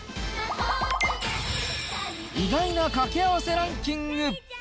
意外な掛け合わせランキング。